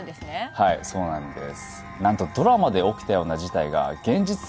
はいそうなんです